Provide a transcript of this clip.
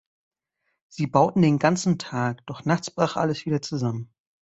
Sie bauten den ganzen Tag, doch nachts brach alles wieder zusammen.